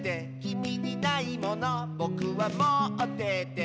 「きみにないものぼくはもってて」